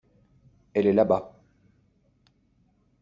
Elle est là-bas.